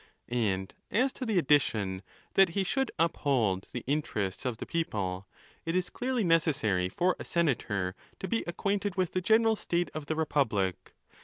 _ And. as to the addition, that he should uphold the interests of the people, it is clearly necessary for a senator 'to be acquainted with the general state of the republic.